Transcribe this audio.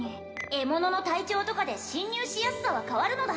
獲物の体調とかで侵入しやすさは変わるのだ